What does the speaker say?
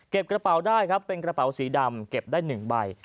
กระเป๋าได้ครับเป็นกระเป๋าสีดำเก็บได้๑ใบ